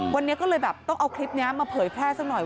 วันนี้ก็เลยแบบต้องเอาคลิปนี้มาเผยแพร่สักหน่อย